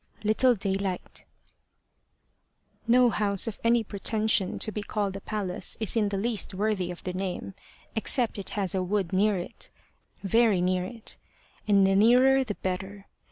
LITTLE DAYLIGHT NO HOUSE of any pretension to be called a palace is in the least worthy of the name, except it has a wood near it very near it and the nearer the better.